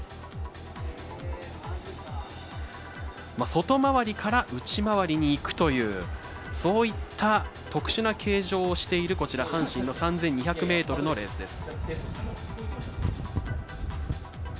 外回りから内回りに行くというそういった特殊な形状をしているこちら阪神の３２００ｍのレースです。